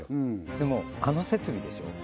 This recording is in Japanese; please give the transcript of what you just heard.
でもあの設備でしょ